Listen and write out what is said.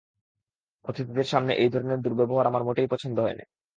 অতিথিদের সামনে এই ধরণের দুর্ব্যবহার আমার মোটেই পছন্দ নয়।